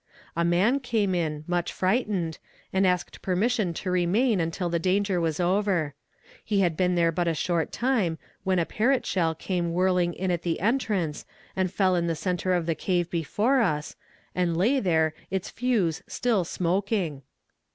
"A man came in, much frightened, and asked permission to remain until the danger was over. He had been there but a short time when a Parrott shell came whirling in at the entrance and fell in the center of the cave before us, and lay there, the fuse still smoking.